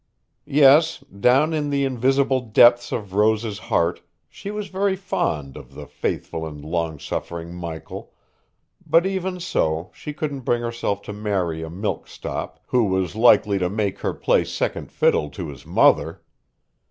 Yes, down in the invisible depths of Rose's heart she was very fond of the faithful and long suffering Michael, but even so she couldn't bring herself to marry a milksop who was likely to make her play second fiddle to his mother.